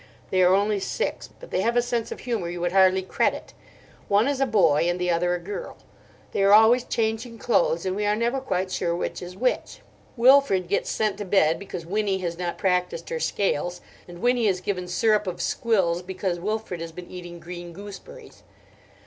They are only six, but they have a sense of humour you would hardly credit. One is a boy, and the other a girl. They are always changing clothes, and we are never quite sure which is which. Wilfrid gets sent to bed because Winnie has not practised her scales, and Winnie is given syrup of squills because Wilfried has been eating green gooseberries.